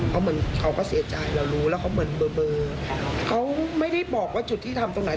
เขาเหมือนเขาก็เสียใจเรารู้แล้วเขาเหมือนเบอร์เขาไม่ได้บอกว่าจุดที่ทำตรงไหน